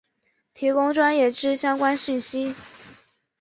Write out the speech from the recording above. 提供专业之相关讯息